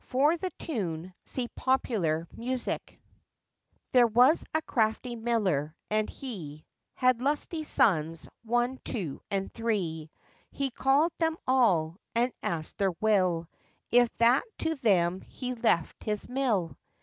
For the tune, see Popular Music.] THERE was a crafty miller, and he Had lusty sons, one, two, and three: He called them all, and asked their will, If that to them he left his mill.